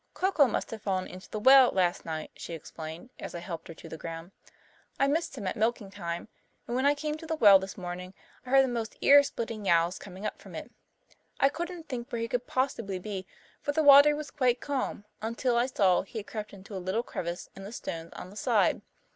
"Coco must have fallen into the well last night," she explained, as I helped her to the ground. "I missed him at milking time, and when I came to the well this morning I heard the most ear splitting yowls coming up from it. I couldn't think where he could possibly be, for the water was quite calm, until I saw he had crept into a little crevice in the stones on the side.